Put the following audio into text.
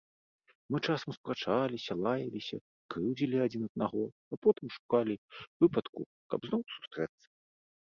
Мы часам спрачаліся, лаяліся, крыўдзілі адзін аднаго, а потым шукалі выпадку, каб зноў сустрэцца.